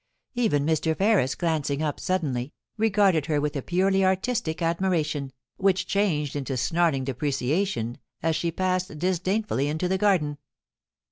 Even Mr. Ferris, glancing up suddenly, regarded her with a purely artistic admiration, which changed into snarling depreciation as she passed disdainfully into the garden.